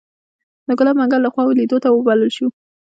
د ګلاب منګل لخوا لیدو ته وبلل شوو.